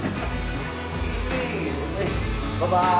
バイバイ！